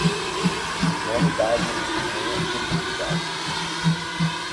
o nome dado em Espanha e Portugal